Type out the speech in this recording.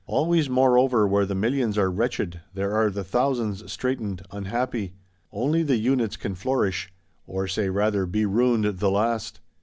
Always moreover where the Millions are wretched, there are the Thousands straitened, unhappy; only the Units can flourish; or say rather, be ruined the last.